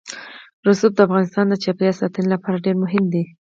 رسوب د افغانستان د چاپیریال ساتنې لپاره ډېر مهم دي.